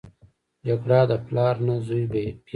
جګړه د پلار نه زوی بېلوي